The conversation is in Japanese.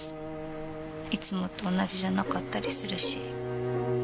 いつもと同じじゃなかったりするし。